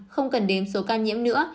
không cần đếm số ca nhiễm nữa